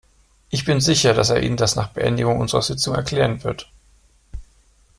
Ich bin sicher, dass er Ihnen das nach Beendigung unserer Sitzung erklären wird!